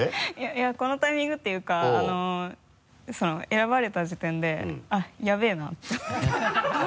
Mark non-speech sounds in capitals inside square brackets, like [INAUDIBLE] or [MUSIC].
いやこのタイミングっていうか選ばれた時点で「あっやべぇな」って思って [LAUGHS]